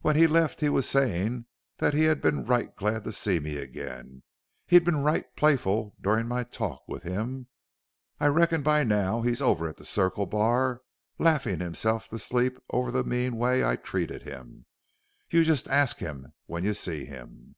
When he left he was sayin' that he'd be right glad to see me again he'd been right playful durin' my talk with him. I reckon by now he's over at the Circle Bar laffin' hisself to sleep over the mean way I treated him. You just ast him when you see him."